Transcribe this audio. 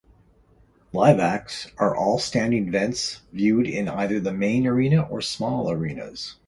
Live acts are all-standing vents viewed in either the main arena or small arenas.